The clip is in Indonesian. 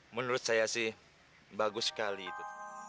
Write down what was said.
menurut saya sih bagus sekali itu